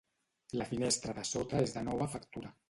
La finestra de sota és de nova factura.